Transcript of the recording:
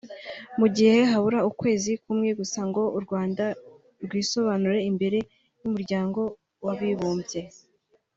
Mu gihe habura ukwezi kumwe gusa ngo u Rwanda rwisobanure imbere y’umuryango w’abibumbye